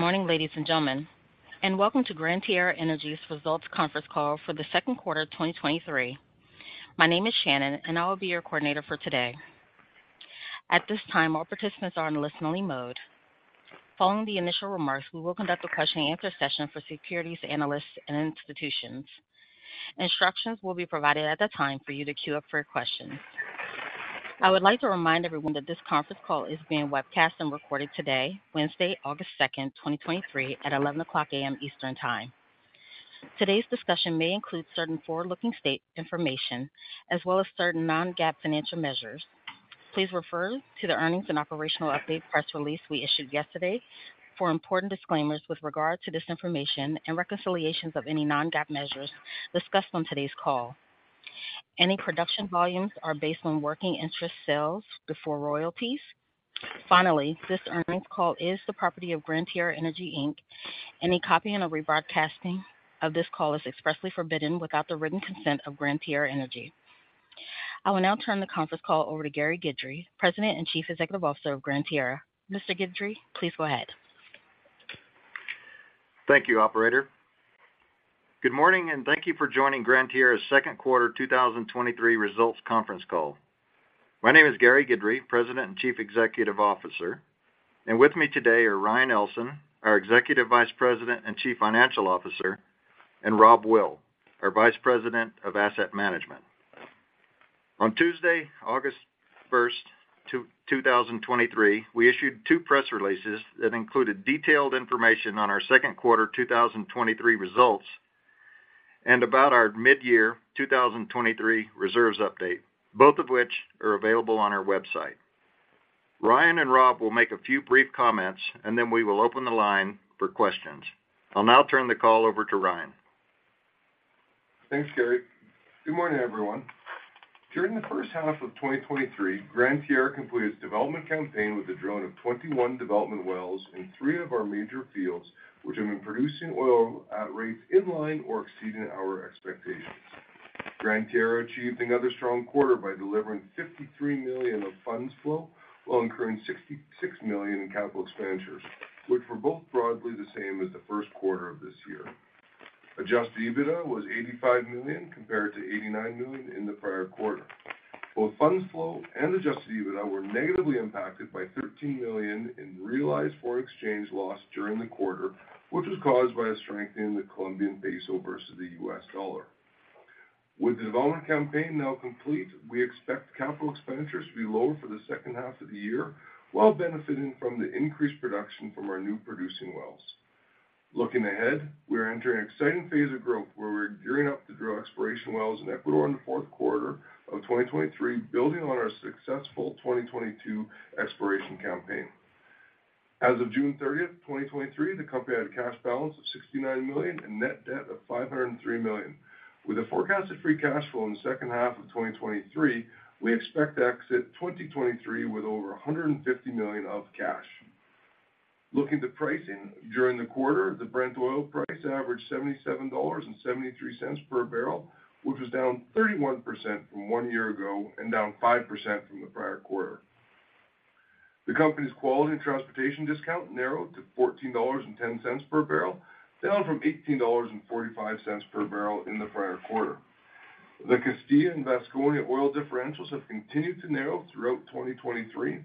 Good morning, ladies and gentlemen, welcome to Gran Tierra Energy's Results Conference Call for the Q2 of 2023. My name is Shannon, and I will be your coordinator for today. At this time, all participants are in listen-only mode. Following the initial remarks, we will conduct a question-and-answer session for securities, analysts, and institutions. Instructions will be provided at that time for you to queue up for your questions. I would like to remind everyone that this conference call is being webcast and recorded today, Wednesday, August 2, 2023, at 11:00 A.M. Eastern Time. Today's discussion may include certain forward-looking state information, as well as certain non-GAAP financial measures. Please refer to the earnings and operational update press release we issued yesterday for important disclaimers with regard to this information and reconciliations of any non-GAAP measures discussed on today's call. Any production volumes are based on working interest sales before royalties. Finally, this earnings call is the property of Gran Tierra Energy, Inc. Any copy and rebroadcasting of this call is expressly forbidden without the written consent of Gran Tierra Energy. I will now turn the conference call over to Gary Guidry, President and Chief Executive Officer of Gran Tierra. Mr. Guidry, please go ahead. Thank you, operator. Good morning, and thank you for joining Gran Tierra's Q2 2023 results conference call. My name is Gary Guidry, President and Chief Executive Officer, and with me today are Ryan Ellson, our Executive Vice President and Chief Financial Officer, and Rob Will, our Vice President of Asset Management. On Tuesday, August 1st, 2023, we issued two press releases that included detailed information on our Q2 2023 results, and about our midyear 2023 reserves update, both of which are available on our website. Ryan and Rob will make a few brief comments, and then we will open the line for questions. I'll now turn the call over to Ryan. Thanks, Gary. Good morning, everyone. During the first half of 2023, Gran Tierra completed its development campaign with the drilling of 21 development wells in three of our major fields, which have been producing oil at rates in line or exceeding our expectations. Gran Tierra achieved another strong quarter by delivering $53 million of Funds Flow, while incurring $66 million in capital expenditures, which were both broadly the same as the Q1 of this year. Adjusted EBITDA was $85 million, compared to $89 million in the prior quarter. Both Funds Flow and Adjusted EBITDA were negatively impacted by $13 million in realized foreign exchange loss during the quarter, which was caused by a strengthening of the Colombian peso versus the US dollar. With the development campaign now complete, we expect capital expenditures to be lower for the second half of the year, while benefiting from the increased production from our new producing wells. Looking ahead, we're entering an exciting phase of growth, where we're gearing up to drill exploration wells in Ecuador in the Q4 of 2023, building on our successful 2022 exploration campaign. As of June 30th, 2023, the company had a cash balance of $69 million and net debt of $503 million. With a forecasted free cash flow in the second half of 2023, we expect to exit 2023 with over $150 million of cash. Looking to pricing, during the quarter, the Brent oil price averaged $77.73 per barrel, which was down 31% from 1 year ago and down 5% from the prior quarter. The company's quality and transportation discount narrowed to $14.10 per barrel, down from $18.45 per barrel in the prior quarter. The Castilla and Vasconia oil differentials have continued to narrow throughout 2023.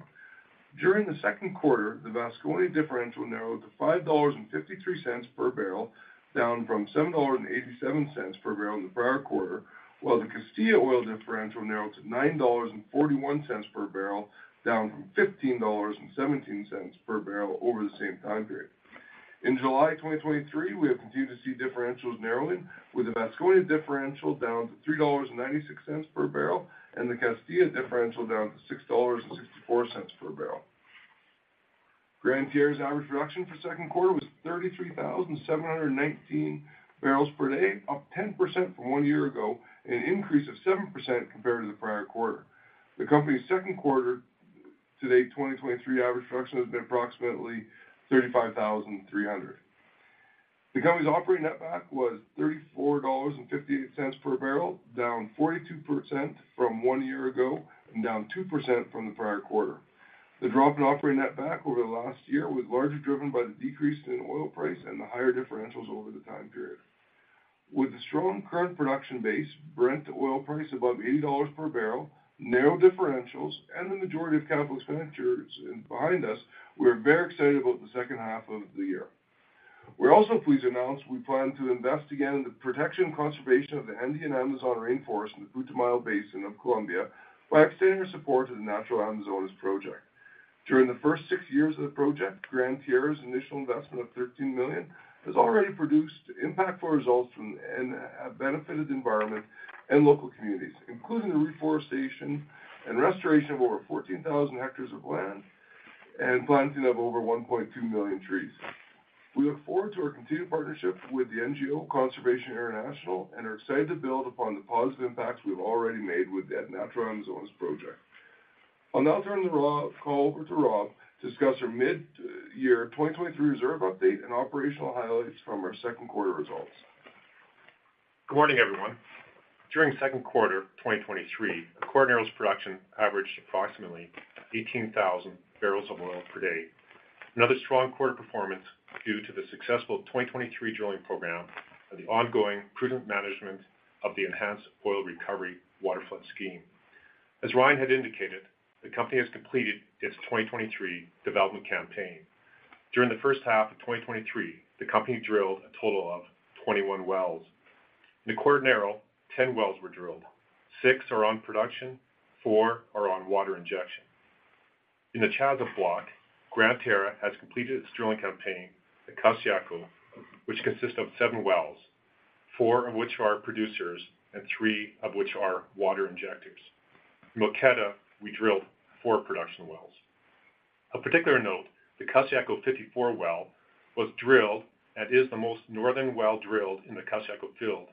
During the Q2, the Vasconia differential narrowed to $5.53 per barrel, down from $7.87 per barrel in the prior quarter, while the Castilla oil differential narrowed to $9.41 per barrel, down from $15.17 per barrel over the same time period. In July 2023, we have continued to see differentials narrowing, with the Vasconia differential down to $3.96 per barrel and the Castilla differential down to $6.64 per barrel. Gran Tierra's average production for 2Q was 33,719 barrels per day, up 10% from one year ago and an increase of 7% compared to the prior quarter. The company's 2Q to date 2023 average production has been approximately 35,300. The company's Operating Netback was $34.58 per barrel, down 42% from one year ago and down 2% from the prior quarter. The drop in Operating Netback over the last year was largely driven by the decrease in oil price and the higher differentials over the time period. With the strong current production base, Brent oil price above $80 per barrel, narrow differentials, and the majority of capital expenditures behind us, we are very excited about the second half of the year. We're also pleased to announce we plan to invest again in the protection and conservation of the Andean Amazon rainforest in the Putumayo Basin of Colombia by extending our support to the NaturAmazonas project. During the first six years of the project, Gran Tierra's initial investment of $13 million has already produced impactful results and have benefited the environment and local communities, including the reforestation and restoration of over 14,000 hectares of land and planting of over 1.2 million trees. We look forward to our continued partnership with the NGO, Conservation International, and are excited to build upon the positive impacts we've already made with the NaturAmazonas project. I'll now turn the call over to Rob to discuss our mid-year 2023 reserve update and operational highlights from our Q2 results. Good morning, everyone. During Q2 2023, the Acordionero production averaged approximately 18,000 barrels of oil per day. Another strong quarter performance due to the successful 2023 drilling program and the ongoing prudent management of the Enhanced Oil Recovery waterflood scheme. As Ryan had indicated, the company has completed its 2023 development campaign. During the first half of 2023, the company drilled a total of 21 wells. In the Acordionero, 10 wells were drilled, 6 are on production, 4 are on water injection. In the Chaza Block, Gran Tierra has completed its drilling campaign, the Costayaco, which consists of 7 wells, 4 of which are producers and 3 of which are water injectors. Moqueta, we drilled 4 production wells. A particular note, the Costayaco-54 well was drilled and is the most northern well drilled in the Costayaco field.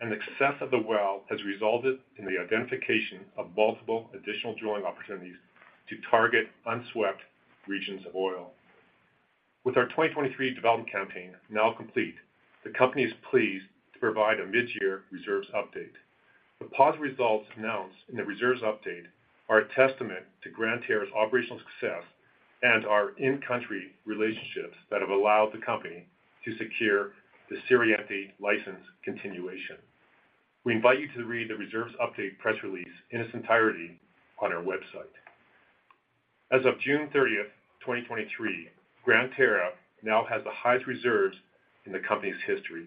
The success of the well has resulted in the identification of multiple additional drilling opportunities to target unswept regions of oil. With our 2023 development campaign now complete, the company is pleased to provide a mid-year reserves update. The positive results announced in the reserves update are a testament to Gran Tierra's operational success and our in-country relationships that have allowed the company to secure the Suroriente license continuation. We invite you to read the reserves update press release in its entirety on our website. As of June 30th, 2023, Gran Tierra now has the highest reserves in the company's history.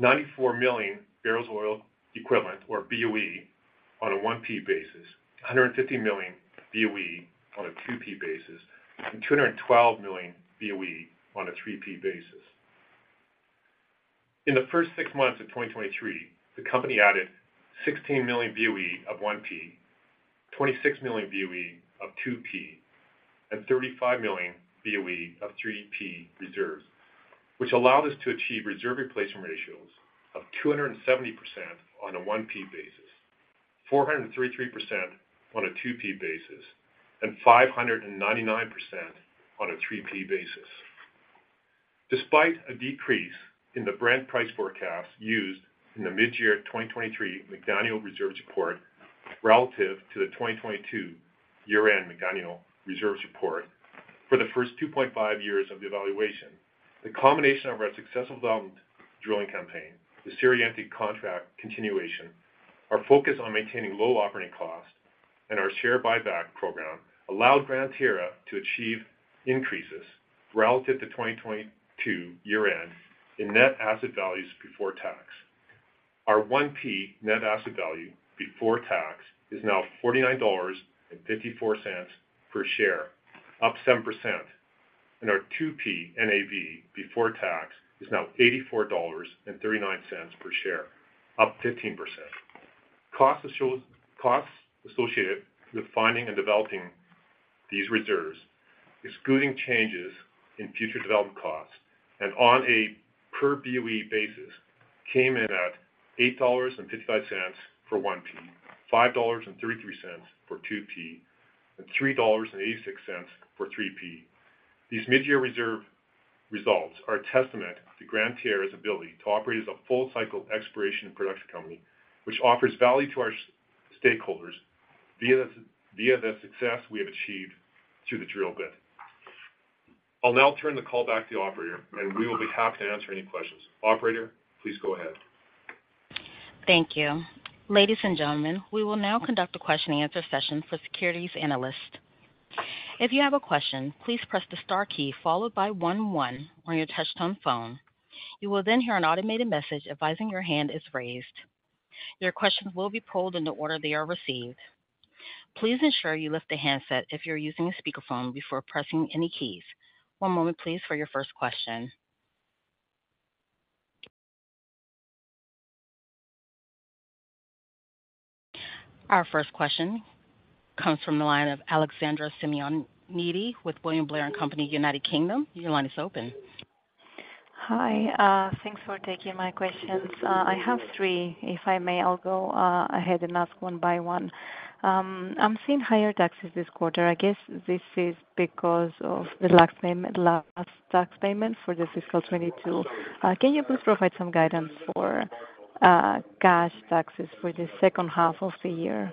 94 million barrels of oil equivalent, or BOE, on a 1P basis, 150 million BOE on a 2P basis, and 212 million BOE on a 3P basis. In the first 6 months of 2023, the company added 16 million BOE of 1P, 26 million BOE of 2P, and 35 million BOE of 3P reserves, which allowed us to achieve reserve replacement ratios of 270% on a 1P basis, 433% on a 2P basis, and 599% on a 3P basis. Despite a decrease in the Brent price forecast used in the mid-year 2023 McDaniel reserves report, relative to the 2022 year-end McDaniel reserves report. For the first 2.5 years of the evaluation, the combination of our successful development drilling campaign, the Suroriente contract continuation, our focus on maintaining low operating costs, and our share buyback program, allowed Gran Tierra to achieve increases relative to 2022 year-end in net asset values before tax. Our 1P Net Asset Value before tax is now $49.54 per share, up 7%, and our 2P NAV before tax is now $84.39 per share, up 15%. Costs associated with Finding and Development of these reserves, excluding changes in future development costs and on a per BOE basis, came in at $8.55 for 1P, $5.33 for 2P, and $3.86 for 3P. These mid-year reserve results are a testament to Gran Tierra's ability to operate as a full cycle exploration and production company, which offers value to our stakeholders via the success we have achieved through the drill bit. I'll now turn the call back to the operator, we will be happy to answer any questions. Operator, please go ahead. Thank you. Ladies and gentlemen, we will now conduct a question-and-answer session for securities analysts. If you have a question, please press the star key followed by one one on your touchtone phone. You will then hear an automated message advising your hand is raised. Your questions will be pulled in the order they are received. Please ensure you lift the handset if you're using a speakerphone before pressing any keys. One moment, please, for your first question. Our first question comes from the line of Alexandra Symeonidi with William Blair & Company, United Kingdom. Your line is open. Hi, thanks for taking my questions. I have three. If I may, I'll go ahead and ask one by one. I'm seeing higher taxes this quarter. I guess this is because of the last payment, last tax payment for the fiscal 2022. Can you please provide some guidance for cash taxes for the second half of the year?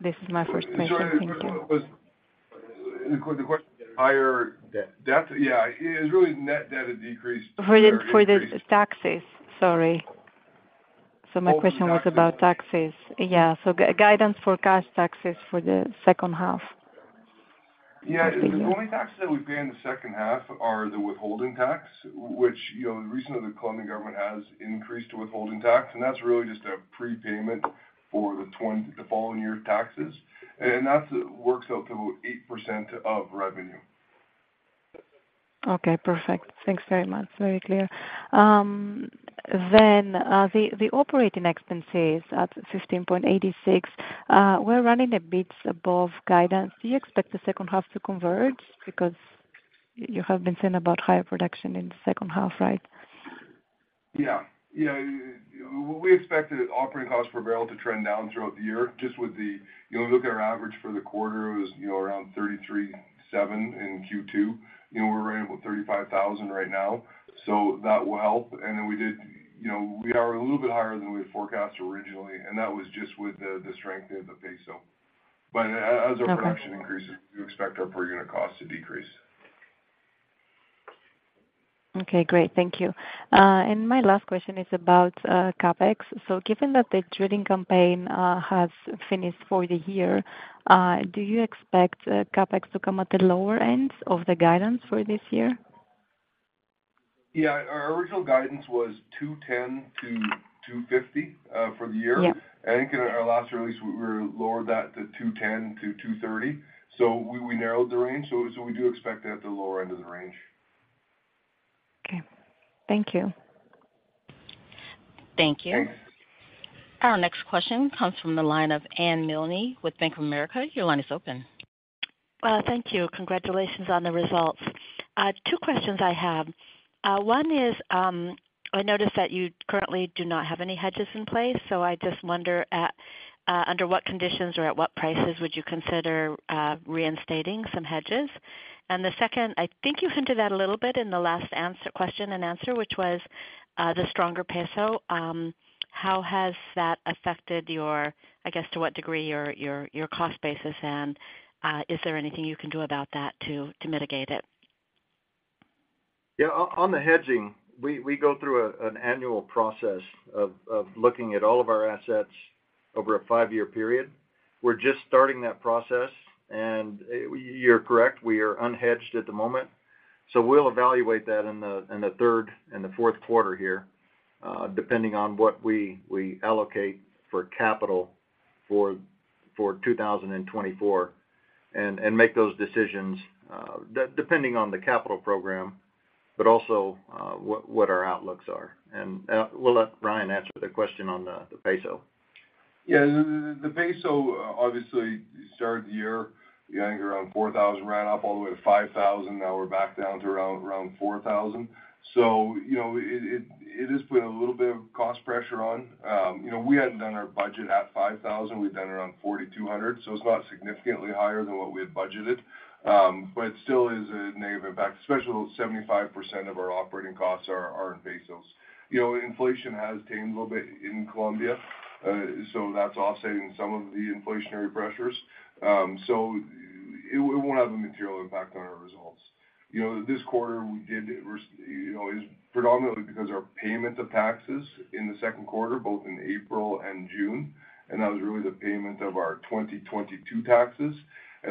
This is my first question. Thank you. The question, higher- Debt. Debt? Yeah, it's really net debt decreased. For the, for the taxes. Sorry. My question was about taxes. Yeah, guidance for cash taxes for the second half. Yeah, the only taxes that we pay in the second half are the withholding tax, which, you know, recently the Colombian government has increased the withholding tax, and that's really just a prepayment for the following year taxes, and that works out to 8% of revenue. Okay, perfect. Thanks very much. Very clear. The operating expenses at $15.86, we're running a bit above guidance. Do you expect the second half to converge? Because you have been saying about higher production in the second half, right? Yeah. Yeah. Well, we expected operating costs per barrel to trend down throughout the year, just with the, you know, look at our average for the quarter was, you know, around $33.07 in Q2. You know, we're around about $35.00 right now, so that will help. Then we did, you know, we are a little bit higher than we had forecasted originally, and that was just with the strength of the peso. As our production increases, we expect our per unit cost to decrease. Okay, great. Thank You. My last question is about CapEx. Given that the drilling campaign has finished for the year, do you expect CapEx to come at the lower end of the guidance for this year? Yeah. Our original guidance was 210 to 250 for the year. Yeah. I think in our last release, we, we lowered that to 210-230. We, we narrowed the range. We do expect it at the lower end of the range. Okay. Thank you. Thank you. Our next question comes from the line of Anne Milne with Bank of America. Your line is open. Thank you. Congratulations on the results. Two questions I have. One is, I noticed that you currently do not have any hedges in place, so I just wonder at under what conditions or at what prices would you consider reinstating some hedges? The second, I think you hinted at a little bit in the last answer, question and answer, which was the stronger peso. How has that affected your, I guess, to what degree, your, your, your cost basis and, is there anything you can do about that to, to mitigate it? Yeah. On the hedging, we, we go through a, an annual process of, of looking at all of our assets over a five-year period. We're just starting that process, and you're correct, we are unhedged at the moment. We'll evaluate that in the third and the Q4 here, depending on what we, we allocate for capital for 2024, and make those decisions, depending on the capital program, but also what our outlooks are. We'll let Ryan answer the question on the peso. Yeah, the, the, the peso obviously started the year, I think, around COP 4,000, ran up all the way to COP 5,000, now we're back down to around, around COP 4,000. You know, it, it, it has put a little bit of cost pressure on. You know, we hadn't done our budget at COP 5,000, we've done it around COP 4,200, so it's about significantly higher than what we had budgeted. But it still is a negative impact, especially 75% of our operating costs are, are in Colombian pesos. You know, inflation has tamed a little bit in Colombia, that's offsetting some of the inflationary pressures. It, it won't have a material impact on our results. You know, this quarter, you know, is predominantly because our payment of taxes in the Q2, both in April and June, and that was really the payment of our 2022 taxes.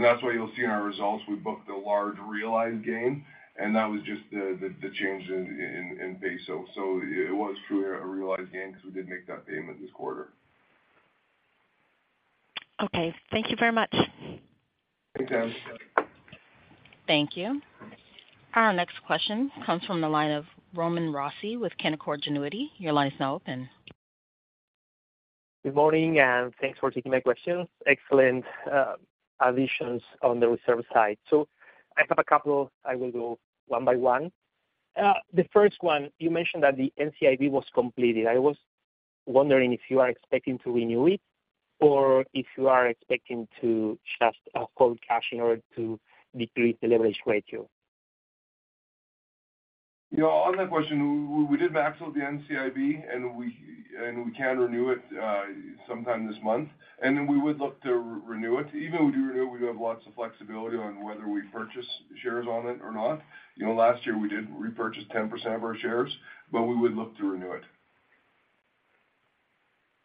That's why you'll see in our results, we booked a large realized gain, and that was just the change in peso. It was truly a realized gain because we did make that payment this quarter. Okay. Thank you very much. Thanks, Anne. Thank you. Our next question comes from the line of Roman Rossi with Canaccord Genuity. Your line is now open. Good morning. Thanks for taking my questions. Excellent additions on the reserve side. I have a couple. I will go one by one. The first one, you mentioned that the NCIB was completed. I was wondering if you are expecting to renew it or if you are expecting to just hold cash in order to decrease the leverage ratio? Yeah, on that question, we, we did max out the NCIB, and we, and we can renew it, sometime this month, and then we would look to re- renew it. Even if we do renew, we do have lots of flexibility on whether we purchase shares on it or not. You know, last year we did repurchase 10% of our shares, but we would look to renew it.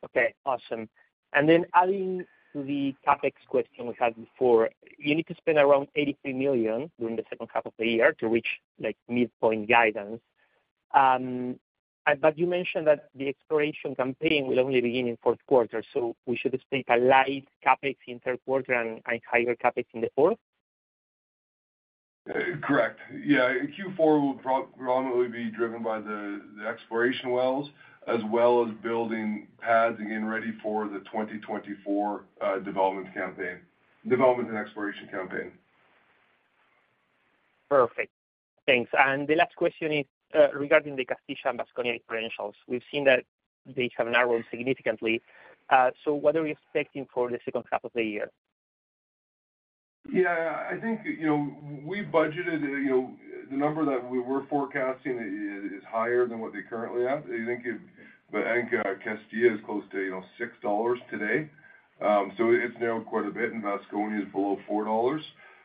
Okay, awesome. Then adding to the CapEx question we had before, you need to spend around $83 million during the second half of the year to reach, like, midpoint guidance. You mentioned that the exploration campaign will only begin in Q4, we should expect a light CapEx in Q3 and a higher CapEx in the fourth? Correct. Yeah, Q4 will predominantly be driven by the, the exploration wells, as well as building pads and getting ready for the 2024 development campaign. Development and exploration campaign. Perfect. Thanks. The last question is regarding the Castilla and Vasconia differentials. We've seen that they have narrowed significantly. What are we expecting for the second half of the year? Yeah, I think, you know, we budgeted, you know, the number that we were forecasting is, is higher than what they currently have. I think Castilla is close to, you know, $6 today. It's narrowed quite a bit, and Vasconia is below $4.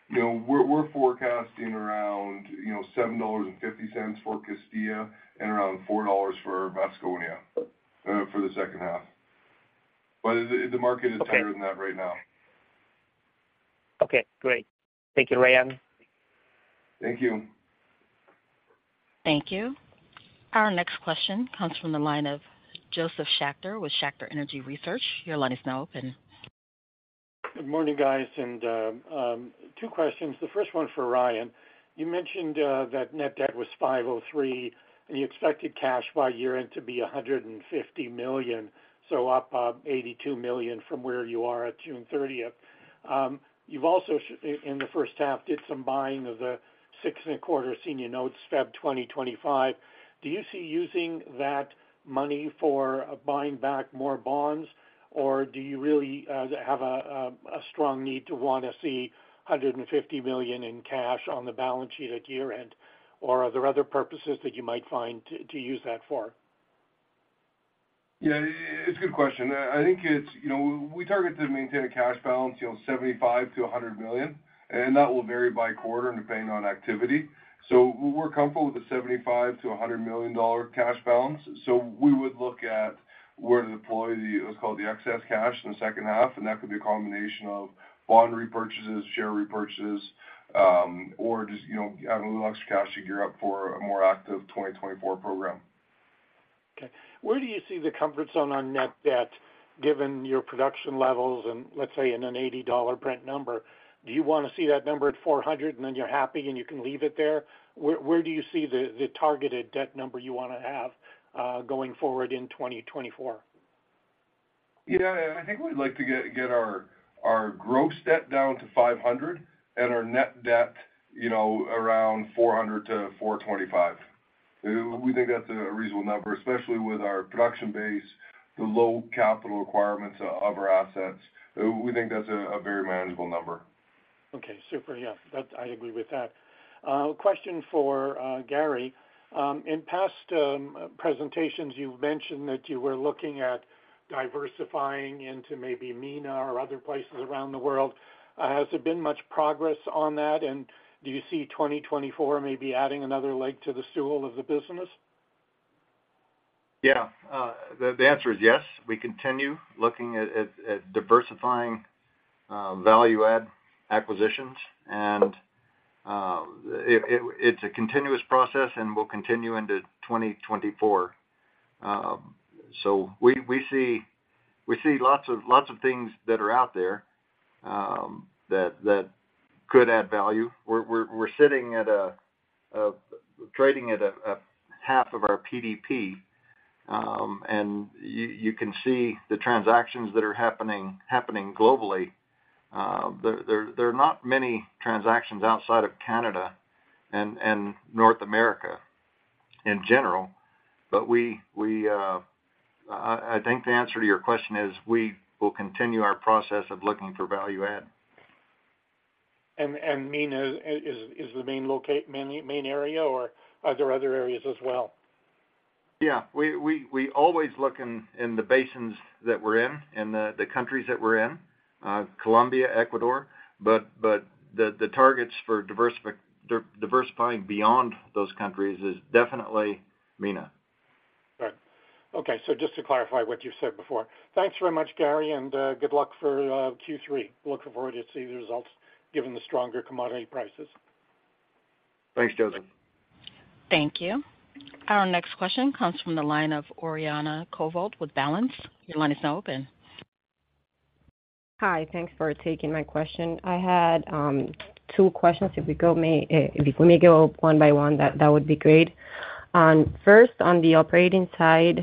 You know, we're, we're forecasting around, you know, $7.50 for Castilla and around $4 for Vasconia for the second half. The market is tighter than that right now. Okay, great. Thank you, Ryan. Thank you. Thank you. Our next question comes from the line of Josef Schachter with Schachter Energy Research. Your line is now open. Good morning, guys, and two questions. The first one for Ryan. You mentioned that net debt was $503 million, and you expected cash by year-end to be $150 million.... up $82 million from where you are at June 30th. You've also, in, in the first half, did some buying of the 6.25% Senior Notes, February 2025. Do you see using that money for buying back more bonds, or do you really have a strong need to want to see $150 million in cash on the balance sheet at year-end? Are there other purposes that you might find to, to use that for? Yeah, it's a good question. I think it's, you know, we target to maintain a cash balance, you know, $75 million-$100 million. That will vary by quarter and depending on activity. We're comfortable with the $75 million-$100 million cash balance. We would look at where to deploy the, what's called the excess cash in the second half. That could be a combination of bond repurchases, share repurchases, or just, you know, having a little extra cash to gear up for a more active 2024 program. Okay. Where do you see the comfort zone on net debt, given your production levels and let's say, in an $80 Brent number? Do you want to see that number at $400, and then you're happy and you can leave it there? Where, where do you see the targeted debt number you want to have, going forward in 2024? Yeah, I think we'd like to get our gross debt down to $500 million and our net debt, you know, around $400 million-$425 million. We think that's a reasonable number, especially with our production base, the low capital requirements of our assets. We think that's a very manageable number. Okay, super. Yeah, that-- I agree with that. Question for Gary. In past presentations, you've mentioned that you were looking at diversifying into maybe MENA or other places around the world. Has there been much progress on that, and do you see 2024 maybe adding another leg to the stool of the business? Yeah. The, the answer is yes. We continue looking at, at, at diversifying, value add acquisitions, and, it, it, it's a continuous process and will continue into 2024. We, we see, we see lots of, lots of things that are out there, that, that could add value. We're, we're, we're sitting at a, trading at a, a half of our PDP, and you, you can see the transactions that are happening, happening globally. There, there, there are not many transactions outside of Canada and North America in general. We, we, I, I think the answer to your question is, we will continue our process of looking for value add. and MENA is, is, is the main locate, main, main area, or are there other areas as well? Yeah, we, we, we always look in, in the basins that we're in and the, the countries that we're in, Colombia, Ecuador, but, but the, the targets for diversific- diversifying beyond those countries is definitely MENA. Right. Okay. Just to clarify what you've said before. Thanks very much, Gary, and good luck for Q3. Looking forward to see the results, given the stronger commodity prices. Thanks, Josef. Thank you. Our next question comes from the line of Oriana Covault with Balanz. Your line is now open. Hi, thanks for taking my question. I had 2 questions. If we go may, if we may go one by one, that, that would be great. First, on the operating side,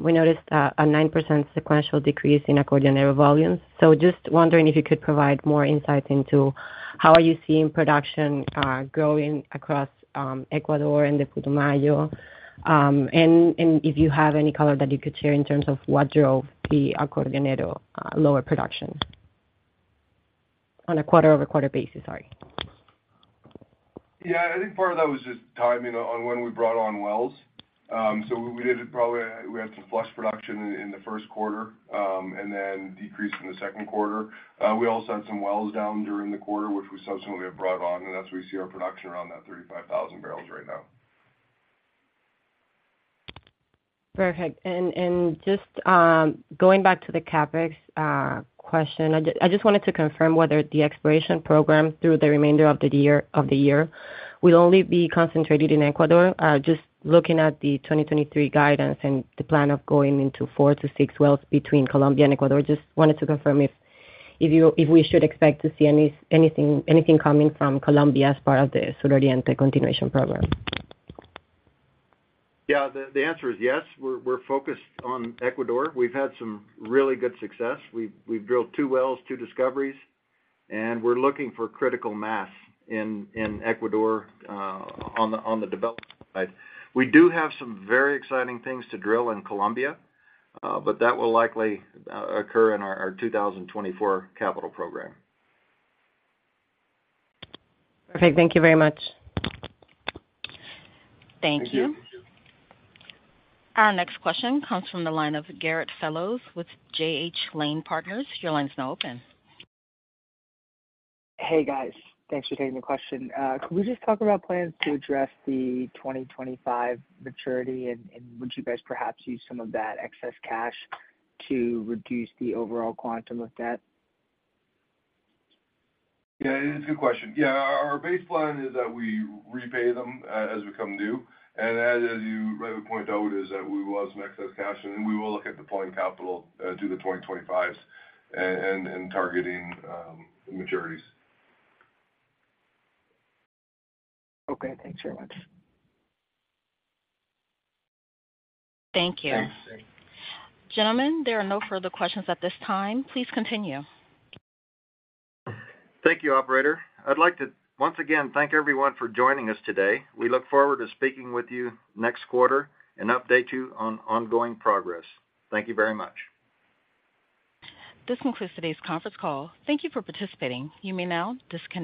we noticed a 9% sequential decrease in Acordionero volumes. Just wondering if you could provide more insight into how are you seeing production growing across Ecuador and the Putumayo, and, and if you have any color that you could share in terms of what drove the Acordionero lower production? On a quarter-over-quarter basis, sorry. Yeah, I think part of that was just timing on when we brought on wells. We did it probably, we had some flush production in, in the Q1, and then decreased in the Q2. We also had some wells down during the quarter, which we subsequently have brought on, and that's where we see our production around that 35,000 barrels right now. Perfect. Just going back to the CapEx question, I just, I just wanted to confirm whether the exploration program through the remainder of the year, of the year, will only be concentrated in Ecuador. Just looking at the 2023 guidance and the plan of going into 4-6 wells between Colombia and Ecuador. Just wanted to confirm if, if you, if we should expect to see any, anything, anything coming from Colombia as part of the Suroriente continuation program. Yeah, the, the answer is yes. We're, we're focused on Ecuador. We've had some really good success. We've, we've drilled two wells, two discoveries, and we're looking for critical mass in, in Ecuador, on the, on the development side. We do have some very exciting things to drill in Colombia, but that will likely occur in our, our 2024 capital program. Perfect. Thank you very much. Thank you. Thank you. Our next question comes from the line of Garrett Fellows with J.H. Lane Partners. Your line is now open. Hey, guys. Thanks for taking the question. Could we just talk about plans to address the 2025 maturity? And would you guys perhaps use some of that excess cash to reduce the overall quantum of debt? Yeah, it's a good question. Yeah, our, our base plan is that we repay them as, as we come due. As, as you rightly point out, is that we will have some excess cash, and we will look at deploying capital to the 2025s and, and, and targeting maturities. Okay, thanks very much. Thank you. Thanks. Gentlemen, there are no further questions at this time. Please continue. Thank you, operator. I'd like to once again thank everyone for joining us today. We look forward to speaking with you next quarter and update you on ongoing progress. Thank you very much. This concludes today's conference call. Thank you for participating. You may now disconnect.